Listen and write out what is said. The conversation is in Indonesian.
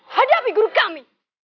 hadapi guru kami